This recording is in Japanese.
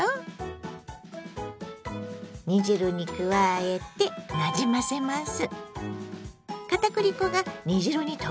煮汁に加えてなじませます。